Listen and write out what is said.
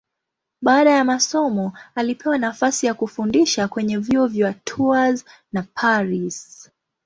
Baada ya masomo alipewa nafasi ya kufundisha kwenye vyuo vya Tours na Paris.